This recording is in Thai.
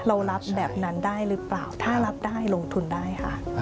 เรารับแบบนั้นได้หรือเปล่าถ้ารับได้ลงทุนได้ค่ะ